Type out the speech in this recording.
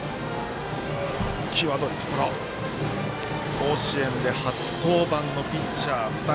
甲子園で初登板のピッチャー２人